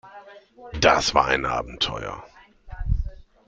Das war ein Abenteuer.